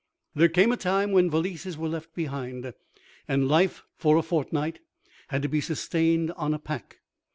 There came a time when valises were left behind and life for a fortnight had to be sustained on a pack.